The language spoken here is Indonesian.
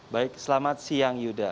baik selamat siang yuda